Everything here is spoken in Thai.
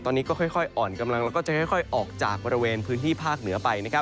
ตอนนี้ก็ค่อยอ่อนกำลังแล้วก็จะค่อยออกจากบริเวณพื้นที่ภาคเหนือไป